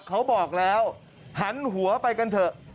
เขาบอกแล้วหันหัวไปกันเถอะ